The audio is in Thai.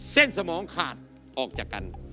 สมองขาดออกจากกัน